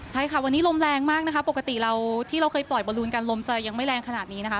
ใช่ค่ะวันนี้ลมแรงมากนะคะปกติเราที่เราเคยปล่อยบอลลูนกันลมจะยังไม่แรงขนาดนี้นะคะ